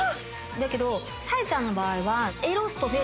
だけど紗絵ちゃんの場合は。